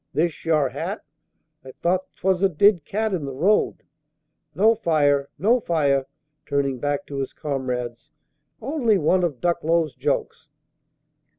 This your hat? I thought 'twas a dead cat in the road. No fire! no fire!" turning back to his comrades, "only one of Ducklow's jokes."